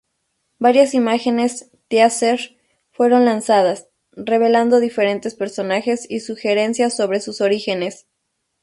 Varias imágenes "teaser" fueron lanzadas, revelando diferentes personajes y sugerencias sobre sus orígenes.